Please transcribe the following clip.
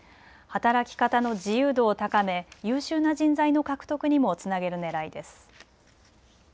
働き方の自由度を高め優秀な人材の獲得にもつなげるねらいです。